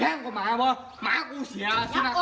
มึงจำไว้มาตีแล้วมาตีแล้ว